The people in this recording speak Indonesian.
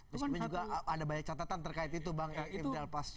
tapi sebenarnya juga ada banyak catatan terkait itu bang ifdala pas ch itu